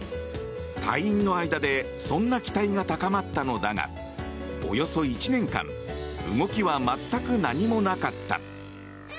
隊員の間でそんな期待が高まったのだがおよそ１年間動きは全く何もなかった。